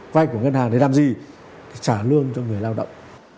vay của ngân hàng để làm gì để trả lương cho người lao động